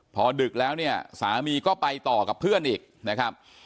พอดึกแล้วเนี่ยสามีก็ไปต่อกับเพื่อนอีกนะครับ